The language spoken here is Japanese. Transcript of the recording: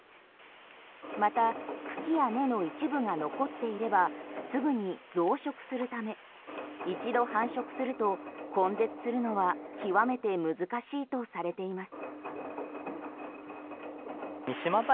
また茎や根の一部が残っていればすぐに増殖するため一度繁殖すると根絶するのは極めて難しいとされています。